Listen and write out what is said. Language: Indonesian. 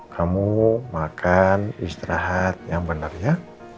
kamu makan istirahat yang benar ya